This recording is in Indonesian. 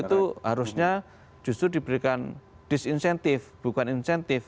itu harusnya justru diberikan disinsentif bukan insentif